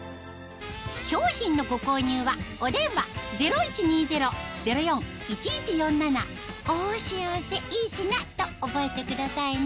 商品のご購入はお電話０１２０−０４−１１４７と覚えてくださいね